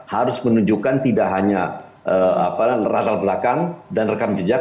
harus menunjukkan tidak hanya rasa belakang dan rekam jejak